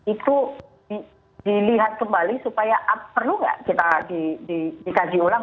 itu dilihat kembali supaya perlu nggak kita dikaji ulang